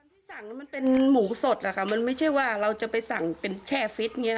ตอนที่สั่งมันเป็นหมูสดค่ะมันไม่ใช่ว่าเราจะไปสั่งเป็นแช่ฟิต